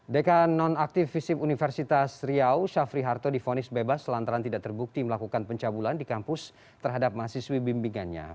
dekan non aktif visip universitas riau syafri harto difonis bebas lantaran tidak terbukti melakukan pencabulan di kampus terhadap mahasiswi bimbingannya